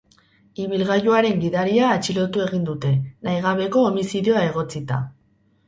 Ibilgailuaren gidaria atxilotu egin dute, nahigabeko homizidioa egotzita.